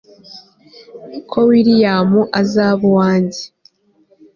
ko william azaba uwanjye